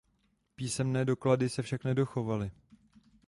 Písemné doklady se však nedochovaly.